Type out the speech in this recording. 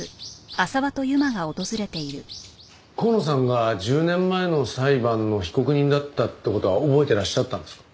香野さんが１０年前の裁判の被告人だったって事は覚えてらっしゃったんですか？